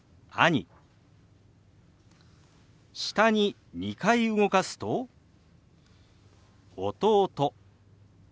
下に２回動かすと「弟」。